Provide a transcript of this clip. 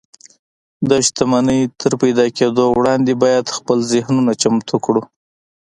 د شتمنۍ تر پيدا کولو وړاندې بايد خپل ذهنونه چمتو کړو.